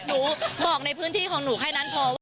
หนูบอกในพื้นที่ของหนูแค่นั้นพอว่า